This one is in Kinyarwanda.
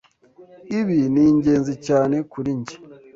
Ibi ni ingenzi cyane kuri njye.